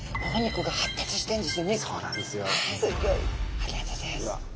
ありがとうございます。